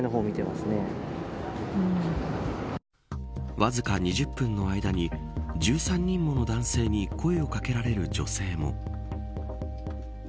わずか２０分の間に１３人もの男性に声を掛けられる女性も。